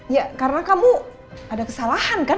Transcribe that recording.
ya karena kamu ada kesalahan kan